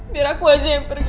biar aku aja yang pergi